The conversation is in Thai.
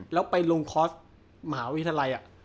แล้วไปลงคอร์สมหาวิทยาลัย